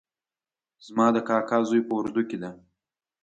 زما د کاکا زوی په اردو کې ده